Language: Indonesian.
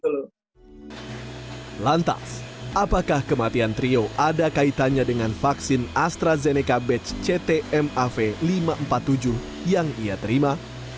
lantas apakah kematian trio ada kaitannya dengan vaksin astrazeneca batch ctmav lima ratus empat puluh tujuh yang ia terima